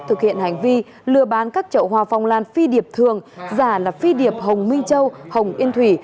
thực hiện hành vi lừa bán các chậu hoa phong lan phi điệp thường giả là phi điệp hồng minh châu hồng yên thủy